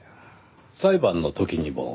裁判の時にも。